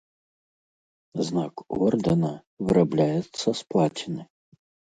Знак ордэна вырабляецца з плаціны.